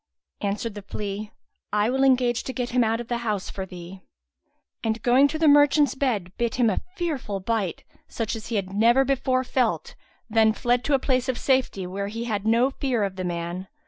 Answered the flea, "I will engage to get him out of the house for thee;" and, going to the merchant's bed, bit him a fearful bite, such as he had never before felt, then fled to a place of safety, where he had no fear of the man.